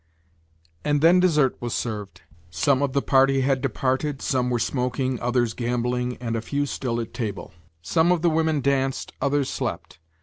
And then dessert was served. Some of the party had departed, some were smoking, others gambling, and a few still at table; some of the women danced, others slept.